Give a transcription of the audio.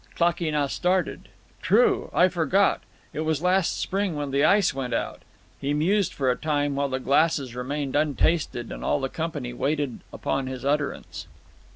Klakee Nah started. "True, I forgot. It was last spring when the ice went out." He mused for a time while the glasses remained untasted, and all the company waited upon his utterance.